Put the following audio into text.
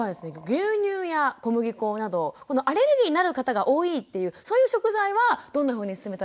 牛乳や小麦粉などこのアレルギーになる方が多いっていうそういう食材はどんなふうに進めたらいいですか？